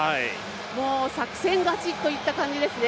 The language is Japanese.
もう、作戦勝ちといった感じですね。